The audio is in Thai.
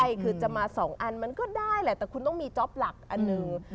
ใช่คือจะมาสองอันมันก็ได้แหละแต่คุณต้องมีจ๊อปหลักอันหนึ่ง